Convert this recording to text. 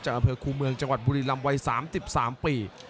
อำเภอคูเมืองจังหวัดบุรีลำวัย๓๓ปี